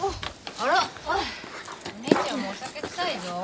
あらお姉ちゃんもお酒臭いぞ。